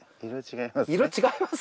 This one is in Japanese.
色違います。